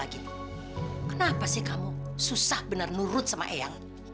tahan kamu lagi kenapa sih kamu susah benar nurut sama eyang